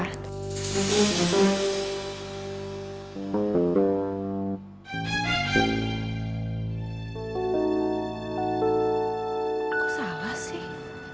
aku salah sih